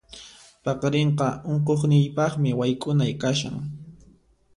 Paqarinqa unquqniypaqmi wayk'unay kashan.